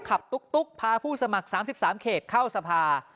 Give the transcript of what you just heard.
ตุ๊กพาผู้สมัคร๓๓เขตเข้าสภา